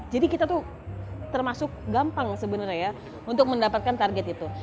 jadi kita tuh termasuk gampang sebenarnya ya untuk mendapatkan target itu